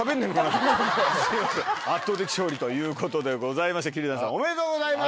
すいません圧倒的勝利ということでございまして桐谷さんおめでとうございます。